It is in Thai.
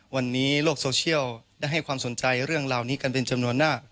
วันนี้โลกโซเชียลได้ให้ความสนใจเรื่องราวนี้กันเป็นจำนวนมาก